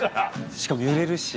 しかも揺れるし。